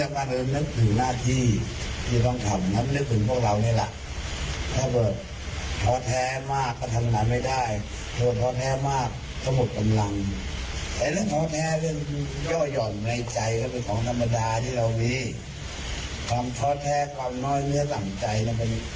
พระองค์ทรงตอบข้อสักถามเรื่องนี้กันนะครับ